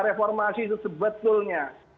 di reformasi itu sebetulnya